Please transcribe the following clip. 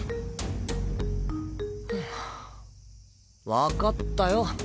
わかったよ。